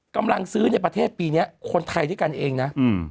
กำลังซื้อในประเทศปีนี้คนไทยด้วยกันเองนะ